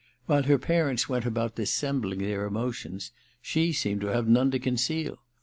While her parents went about dissembling their emotions, she seemed to have none to conceal.